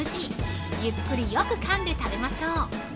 ゆっくりよくかんで食べましょう。